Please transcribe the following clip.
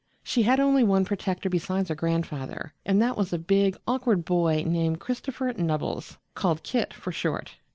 She had only one protector besides her grandfather, and that was a big, awkward boy named Christopher Nubbles, called Kit for short.